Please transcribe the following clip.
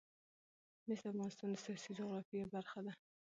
مس د افغانستان د سیاسي جغرافیه برخه ده.